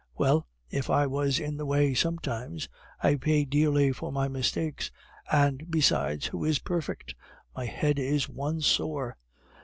Well, if I was in the way sometimes, I paid dearly for my mistakes. And besides, who is perfect? (My head is one sore!)